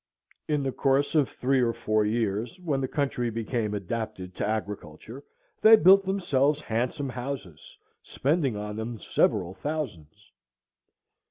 In the course of three or four years, when the country became adapted to agriculture, they built themselves handsome houses, spending on them several thousands."